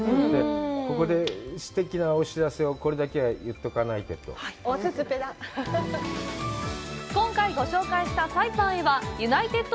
ここですてきなお知らせをこれだけはいっとかないテッド。